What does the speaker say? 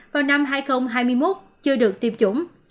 vào năm hai nghìn hai mươi một chưa được tiêm chủng